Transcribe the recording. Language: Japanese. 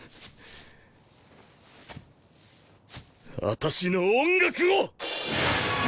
私の音楽を！